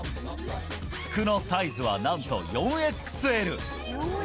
服のサイズはなんと４ＸＬ。